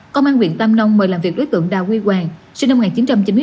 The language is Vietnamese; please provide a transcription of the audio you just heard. công an huyện tam nông mời làm việc đối tượng đào huy hoàng sinh năm một nghìn chín trăm chín mươi